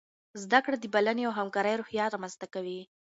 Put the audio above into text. زده کړه د بلنې او همکارۍ روحیه رامنځته کوي.